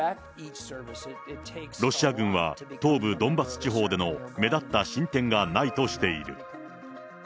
ロシア軍は、東部ドンバス地方での目立った進展がないとしている。